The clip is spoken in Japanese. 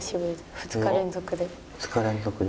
２日連続で？